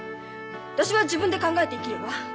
私は自分で考えて生きるわ。